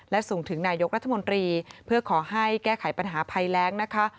และส่งถึงนายกรัฐมนตรีเพื่อขอให้แก้ไขปัญหาภัยแรงนะคะ